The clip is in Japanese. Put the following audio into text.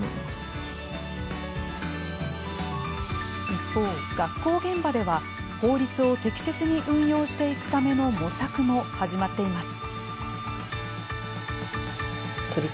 一方、学校現場では法律を適切に運用していくための模索も始まっています。